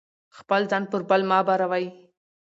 خپل ځان پر بل مه باروئ.